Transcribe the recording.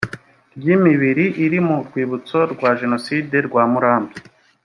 ry imibiri iri mu rwibutso rwa jenoside rwa murambi